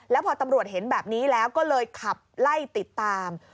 แล้วพอตำรวจเห็นแบบนี้แล้วก็เลยขับไล่ติดตาม